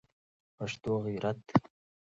پښتو غیرت دی